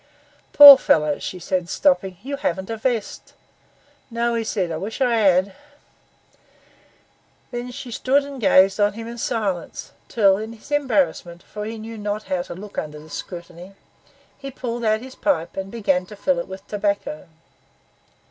'Poor fellow,' she said, stopping, 'you haven't a vest.' 'No,' he said; 'I wish I 'ad.' Then she stood and gazed on him in silence, until, in his embarrassment, for he knew not how to look under this scrutiny, he pulled out his pipe and began to fill it with tobacco.